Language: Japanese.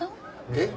えっ？